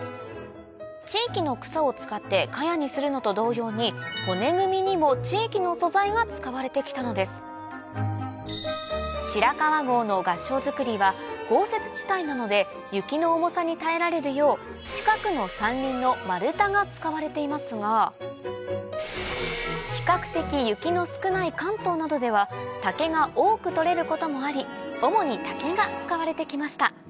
地域の草を使って茅にするのと同様にが使われてきたのですは豪雪地帯なので雪の重さに耐えられるよう近くの山林の丸太が使われていますが比較的雪の少ない関東などでは竹が多く取れることもあり主に竹が使われてきました